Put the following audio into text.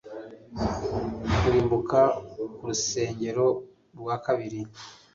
kurimbuka k urusengero rwa kabiri